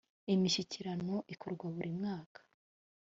imishyikirano ikorwa burimwaka.